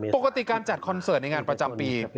ปกติการจัดคอนเสิร์ตในงานประจำปี